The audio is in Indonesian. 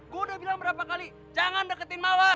gue udah bilang berapa kali jangan deketin mawar